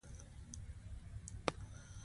او منډک ته کوژده وکړي.